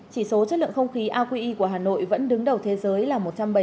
chỉ số chất lượng không khí aqi của hà nội vẫn đứng đầu thế giới là một trăm bảy mươi